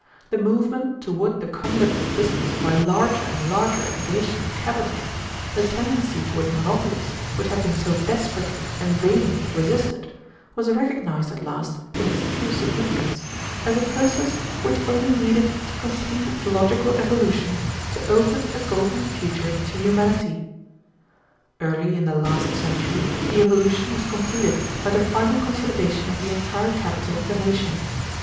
The movement toward the conduct of business by larger and larger aggregations of capital, the tendency toward monopolies, which had been so desperately and vainly resisted, was recognized at last, in its true significance, as a process which only needed to complete its logical evolution to open a golden future to humanity. "Early in the last century the evolution was completed by the final consolidation of the entire capital of the nation.